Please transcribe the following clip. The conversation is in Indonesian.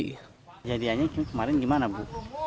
kejadiannya kemarin gimana bu